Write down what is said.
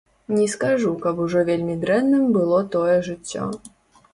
Не скажу, каб ужо вельмі дрэнным было тое жыццё.